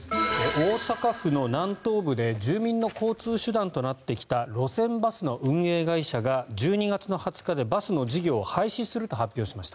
大阪府の南東部で住民の交通手段となってきた路線バスの運営会社が１２月２０日でバスの事業を廃止すると発表しました。